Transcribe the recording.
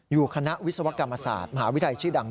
คณะวิศวกรรมศาสตร์มหาวิทยาลัยชื่อดัง